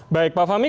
baik pak fahmi